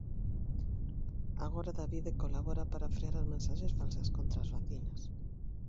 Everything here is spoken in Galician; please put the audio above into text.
Agora Davide colabora para frear as mensaxes falsas contra as vacinas.